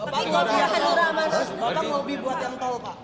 bapak mau biar yang tol pak